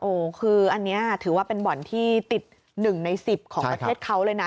โอ้โหคืออันนี้ถือว่าเป็นบ่อนที่ติด๑ใน๑๐ของประเทศเขาเลยนะ